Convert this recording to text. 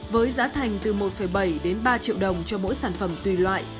với giá thành từ một bảy đến ba triệu đồng cho mỗi sản phẩm tùy loại